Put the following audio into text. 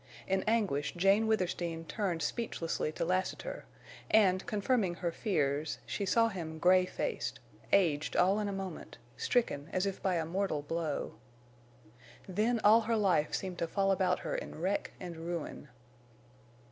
In anguish Jane Withersteen turned speechlessly to Lassiter, and, confirming her fears, she saw him gray faced, aged all in a moment, stricken as if by a mortal blow. Then all her life seemed to fall about her in wreck and ruin.